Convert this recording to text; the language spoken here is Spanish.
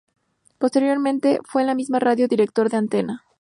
Posteriormente fue en la misma radio Director de Antena.